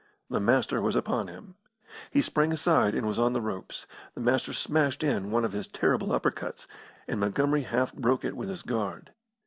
The Master was upon him. He sprang aside and was on the ropes. The Master smashed in one of his terrible upper cuts, and Montgomery half broke it with his guard.